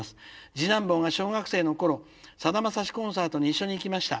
次男坊が小学生の頃さだまさしコンサートに一緒に行きました。